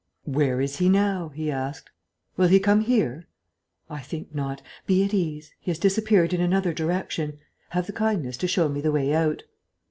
"Where is he now?" he asked. "Will he come here?" "I think not. Be at ease. He has disappeared in another direction. Have the kindness to show me the way out."